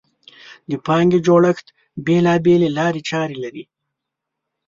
د پانګې جوړښت بېلابېلې لارې چارې لري.